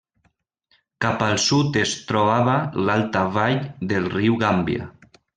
Cap al sud es trobava l'alta vall del riu Gàmbia.